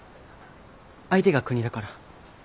相手が国だから？